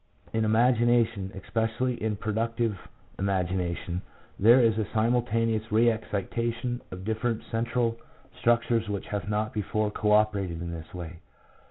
In imagination, especially in productive imagina tion, there is a simultaneous re excitation of different central structures which have not before co operated in this way.